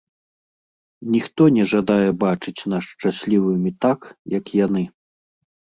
Ніхто не жадае бачыць нас шчаслівымі так, як яны.